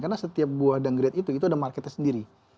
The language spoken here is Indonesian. karena setiap buah dan grade itu itu ada marketnya sendiri